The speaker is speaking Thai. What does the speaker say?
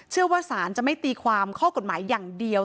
สารจะไม่ตีความข้อกฎหมายอย่างเดียว